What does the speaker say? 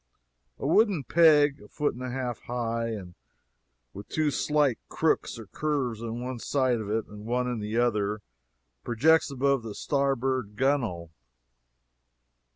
A wooden peg, a foot and a half high, with two slight crooks or curves in one side of it and one in the other, projects above the starboard gunwale.